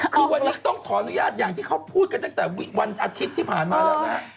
คือวันนี้ต้องขออนุญาตอย่างที่เขาพูดกันตั้งแต่วันอาทิตย์ที่ผ่านมาแล้วนะฮะ